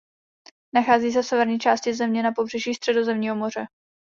Nachází se v severní části země na pobřeží Středozemního moře.